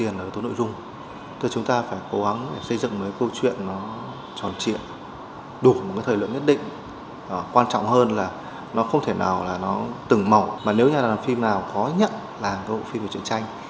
nếu như có phim nào khó nhận là một bộ phim về truyền tranh